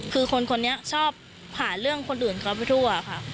คือคนคนนี้ชอบผ่านเรื่องคนอื่นเขาไปทั่วค่ะ